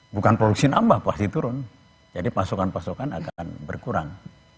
bukan produksi nambah pasti turun jadi pasokan pasokan agak akan berkurang